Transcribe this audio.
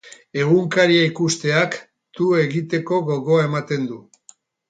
Egunkaria ikusteak tu egiteko gogoa ematen du.